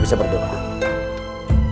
aku sedang bergolak aku hanya bisa berdoa